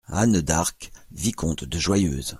Anne D’ARQUES , vicomte DE JOYEUSE.